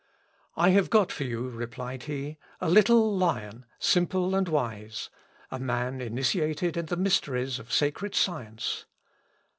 "I have got for you," replied he, "a little lion, simple and wise; a man initiated in the mysteries of sacred science."